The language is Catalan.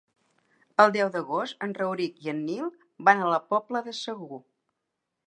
El deu d'agost en Rauric i en Nil van a la Pobla de Segur.